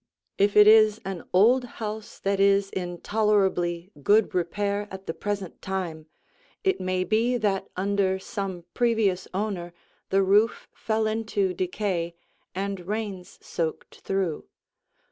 If it is an old house that is in tolerably good repair at the present time, it may be that under some previous owner the roof fell into decay, and rains soaked through.